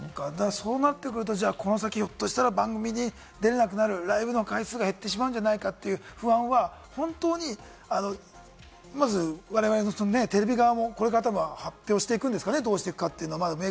そうなってくるとこの先、番組に出られなくなる、ライブの回数が減ってしまうんじゃないかという不安は本当に我々、ＴＶ側もこれから発表していくんですかね？